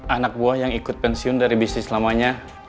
anak buah yang ikut pensiun dari bisnis namanya